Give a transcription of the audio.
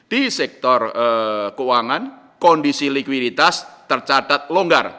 di sektor keuangan kondisi likuiditas tercatat longgar